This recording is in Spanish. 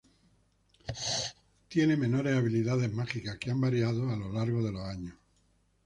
Tiene menores habilidades mágicas que han variado a lo largo de los años.